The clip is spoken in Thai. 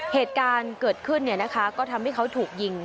เหตุการณ์เกิดขึ้นเนี่ยนะคะก็ทำให้เขาถูกยิง